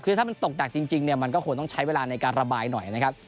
คือถ้ามันตกหนักจริงเนี่ยมันก็ควรต้องใช้เวลาในการระบายหน่อยนะครับ